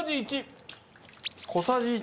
小さじ１。